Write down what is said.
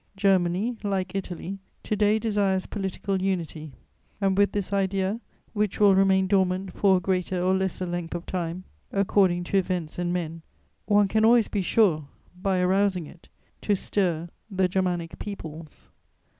Germany, like Italy, to day desires political unity, and with this idea, which will remain dormant for a greater or lesser length of time according to events and men, one can always be sure, by arousing it, to stir the Germanic peoples.